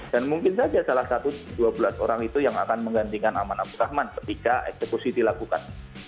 dan mungkin saja salah satu dua belas orang itu yang akan menggantikan aman abu rahman ketika eksekusi dilakukan